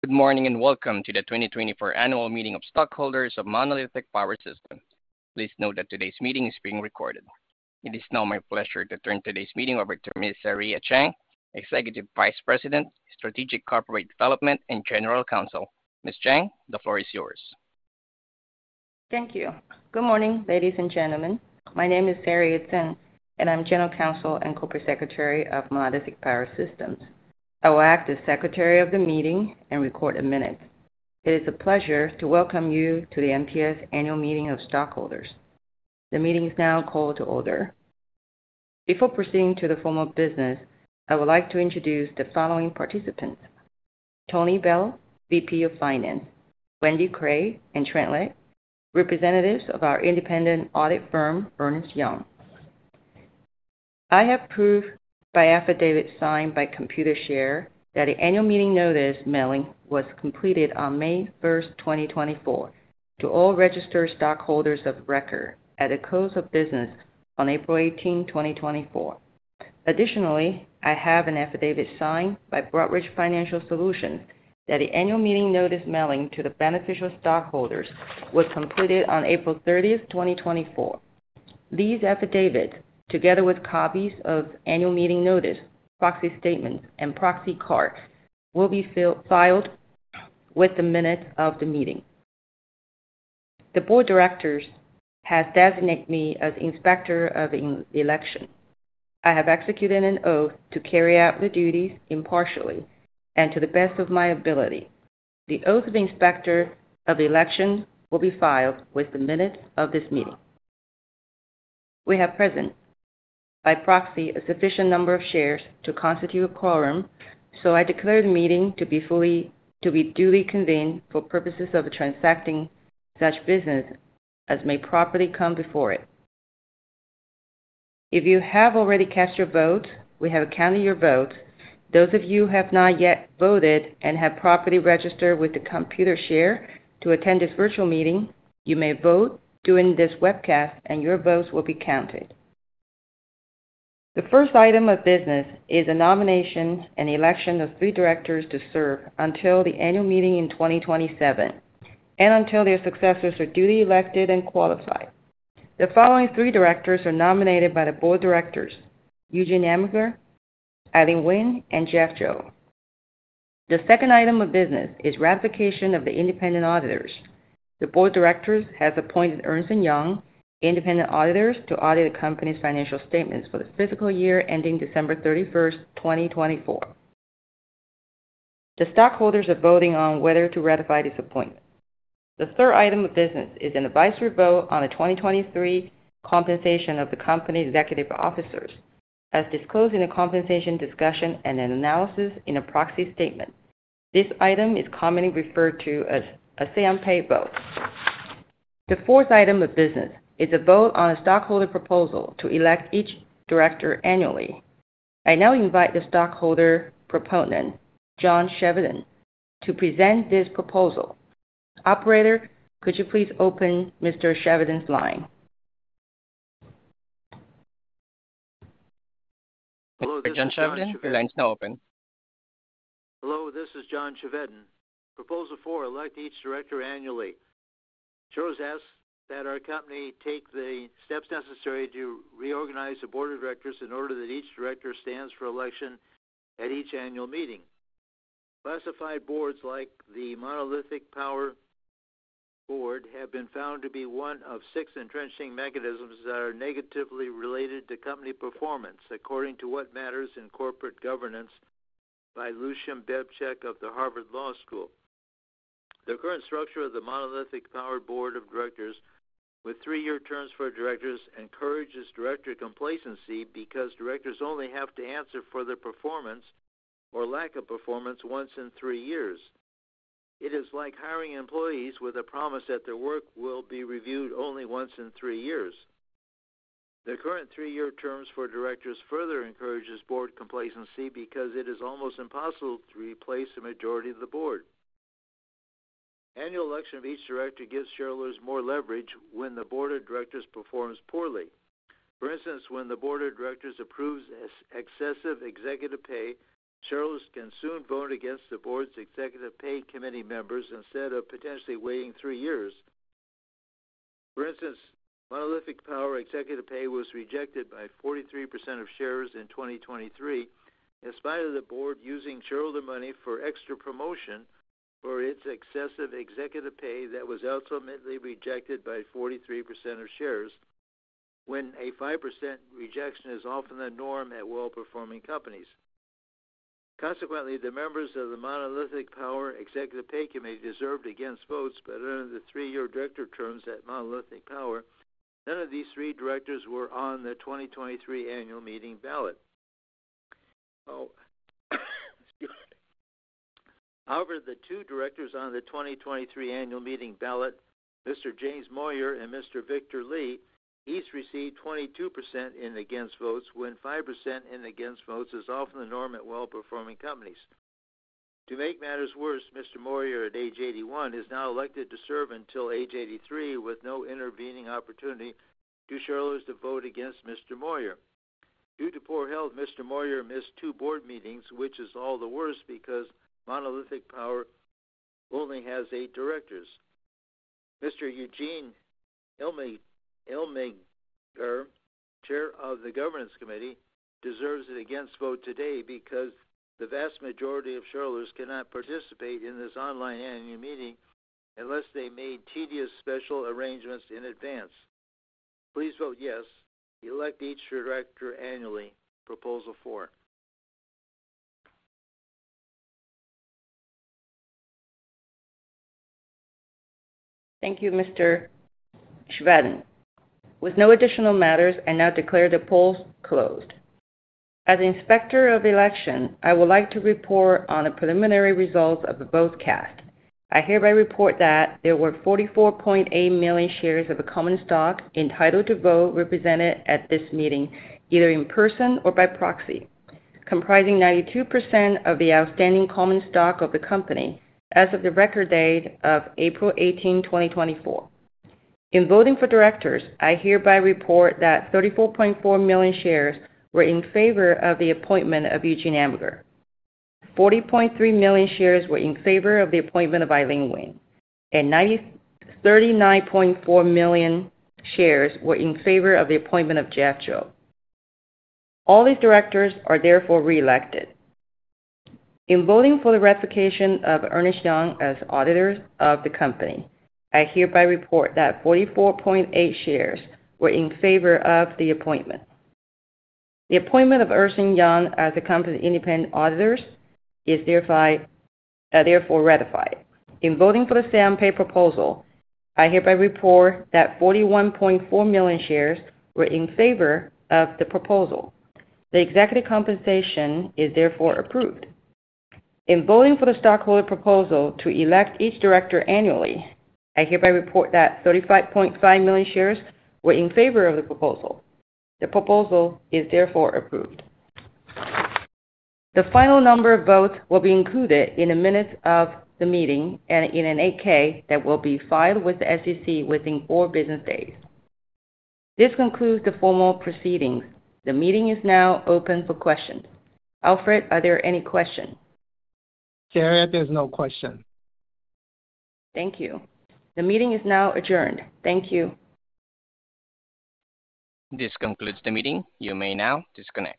Good morning, and welcome to the 2024 Annual Meeting of Stockholders of Monolithic Power Systems. Please note that today's meeting is being recorded. It is now my pleasure to turn today's meeting over to Ms. Saria Tseng, Executive Vice President, Strategic Corporate Development and General Counsel. Ms. Saria Tseng, the floor is yours. Thank you. Good morning, ladies and gentlemen. My name is Saria Tseng, and I'm General Counsel and Corporate Secretary of Monolithic Power Systems. I will act as Secretary of the meeting and record the minutes. It is a pleasure to welcome you to the MPS Annual Meeting of Stockholders. The meeting is now called to order. Before proceeding to the formal business, I would like to introduce the following participants: Bernie Ballow, VP of Finance, Wendy Cray and Trent Lake, representatives of our independent audit firm, Ernst & Young. I have proof by affidavit, signed by Computershare, that the annual meeting notice mailing was completed on May 1st, 2024, to all registered stockholders of record at the close of business on April 18,th 2024. Additionally, I have an affidavit signed by Broadridge Financial Solutions that the annual meeting notice mailing to the beneficial stockholders was completed on April 30th, 2024. These affidavits, together with copies of annual meeting notice, proxy statements, and proxy cards, will be filed with the minutes of the meeting. The board of directors has designated me as Inspector of the Election. I have executed an oath to carry out the duties impartially and to the best of my ability. The oath of Inspector of the Election will be filed with the minutes of this meeting. We have present, by proxy, a sufficient number of shares to constitute a quorum, so I declare the meeting to be duly convened for purposes of transacting such business as may properly come before it. If you have already cast your vote, we have counted your vote. Those of you who have not yet voted and have properly registered with Computershare to attend this virtual meeting, you may vote during this webcast, and your votes will be counted. The first item of business is the nomination and election of three directors to serve until the annual meeting in 2027 and until their successors are duly elected and qualified. The following three directors are nominated by the board of directors: Eugen Elmiger, Eileen Wynne, and Jeff Zhou. The second item of business is ratification of the independent auditors. The board of directors has appointed Ernst & Young independent auditors to audit the company's financial statements for the fiscal year ending December 31,st 2024. The stockholders are voting on whether to ratify this appointment. The third item of business is an advisory vote on the 2023 compensation of the company's executive officers, as disclosed in a compensation discussion and analysis in a proxy statement. This item is commonly referred to as a Say on Pay vote. The fourth item of business is a vote on a stockholder proposal to elect each director annually. I now invite the stockholder proponent, John Chevedden, to present this proposal. Operator, could you please open Mr. John Chevedden's line? Hello, John Chevedden, your line's now open. Hello, this is John Chevedden. Proposal four, elect each director annually. Shows us that our company take the steps necessary to reorganize the board of directors in order that each director stands for election at each annual meeting. Classified boards, like the Monolithic Power Board, have been found to be one of six entrenching mechanisms that are negatively related to company performance, according to What Matters in Corporate Governance by Lucian Bebchuk of the Harvard Law School. The current structure of the Monolithic Power Board of Directors, with three-year terms for directors, encourages director complacency because directors only have to answer for their performance or lack of performance once in three years. It is like hiring employees with a promise that their work will be reviewed only once in three years. The current three-year terms for directors further encourages board complacency because it is almost impossible to replace a majority of the board. Annual election of each director gives shareholders more leverage when the board of directors performs poorly. For instance, when the board of directors approves excessive executive pay, shareholders can soon vote against the board's executive pay committee members instead of potentially waiting three years. For instance, Monolithic Power executive pay was rejected by 43% of shares in 2023, in spite of the board using shareholder money for extra promotion for its excessive executive pay that was ultimately rejected by 43% of shares, when a 5% rejection is often the norm at well-performing companies. Consequently, the members of the Monolithic Power Executive Pay Committee deserved against votes, but under the three-year director terms at Monolithic Power, none of these three directors were on the 2023 annual meeting ballot. Oh, however, the two directors on the 2023 annual meeting ballot, Mr. James C. Moyer and Mr. Victor K. Lee, each received 22% in against votes, when 5% in against votes is often the norm at well-performing companies. To make matters worse, Mr. James C. Moyer, at age 81, is now elected to serve until age 83, with no intervening opportunity to shareholders to vote against Mr. James C. Moyer. Due to poor health, Mr. James C. Moyer missed two board meetings, which is all the worse because Monolithic Power only has eight directors. Mr. Eugen Elmiger, Chair of the Governance Committee, deserves an against vote today because the vast majority of shareholders cannot participate in this online annual meeting unless they made tedious special arrangements in advance. Please vote yes to elect each director annually. Proposal Four. Thank you, Mr. John Chevedden. With no additional matters, I now declare the polls closed. As Inspector of Election, I would like to report on the preliminary results of the votes cast. I hereby report that there were 44.8 million shares of the common stock entitled to vote, represented at this meeting, either in person or by proxy, comprising 92% of the outstanding common stock of the company as of the record date of April 18th, 2024. In voting for directors, I hereby report that 34.4 million shares were in favor of the appointment of Eugen Elmiger. 40.3 million shares were in favor of the appointment of Eileen Wynne, and 39.4 million shares were in favor of the appointment of Jeff Zhou. All these directors are therefore reelected. In voting for the ratification of Ernst & Young as auditors of the company, I hereby report that 44.8 shares were in favor of the appointment. The appointment of Ernst & Young as the company's independent auditors is thereby, therefore ratified. In voting for the say on pay proposal, I hereby report that 41.4 million shares were in favor of the proposal. The executive compensation is therefore approved. In voting for the stockholder proposal to elect each director annually, I hereby report that 35.5 million shares were in favor of the proposal. The proposal is therefore approved. The final number of votes will be included in the minutes of the meeting and in an 8-K that will be filed with the SEC within 4 business days. This concludes the formal proceedings. The meeting is now open for questions. Alfred, are there any questions? Saria Tseng, there's no question. Thank you. The meeting is now adjourned. Thank you. This concludes the meeting. You may now disconnect.